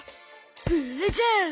ブ・ラジャー！